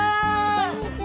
こんにちは！